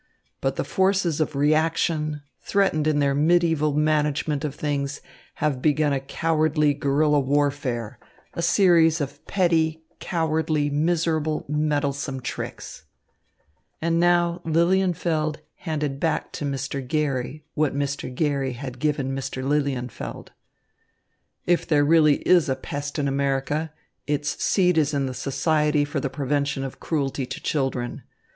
But the forces of reaction, threatened in their mediæval management of things, have begun a cowardly guerilla warfare, a series of petty, cowardly, miserable, meddlesome tricks." And now Lilienfeld handed back to Mr. Garry what Mr. Garry had given Mr. Lilienfeld. "If there really is a pest in America, its seat is in the Society for the Prevention of Cruelty to Children.